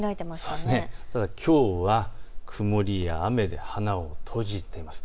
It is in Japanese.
ただきょうは曇りや雨で花を閉じています。